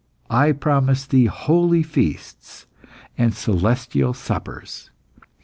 I promise thee holy feasts and celestial suppers.